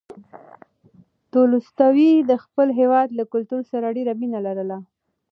تولستوی د خپل هېواد له کلتور سره ډېره مینه لرله.